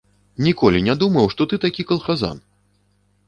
Ніколі не думаў, што ты такі калхазан!